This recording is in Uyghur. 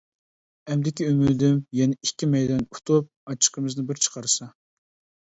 ئەمدىكى ئۈمىدىم: يەنە ئىككى مەيدان ئۇتۇپ، ئاچچىقىمىزنى بىر چىقارسا.